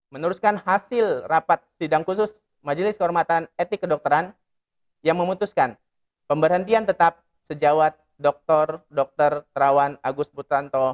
meneruskan hasil rapat sidang khusus majelis kehormatan etik kedokteran yang memutuskan pemberhentian tetap sejawat dr dr terawan agus putranto